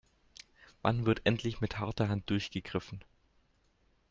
Wann wird endlich mit harter Hand durchgegriffen?